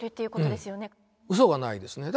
うそがないですね。